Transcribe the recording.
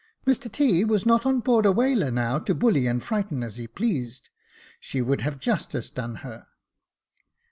Mr T. was not on board a whaler now, to bully and frighten as he pleased. She would have justice done her.